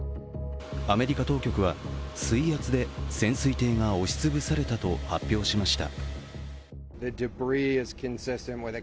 アメリカ当局は水圧で潜水艇が押し潰されたと発表しました。